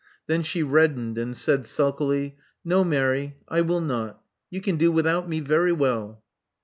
Then she reddened, and said sulkily, No, Mary, I will not. You can do without me very well.